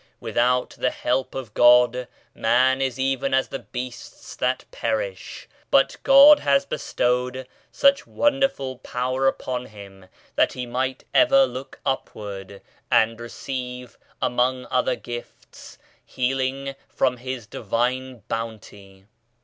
Without the help of God man is even as the beasts that perish, but God has bestowed such wonderful power upon him that he might ever look upward, and receive, among other gifts, healing from His Divine Bounty.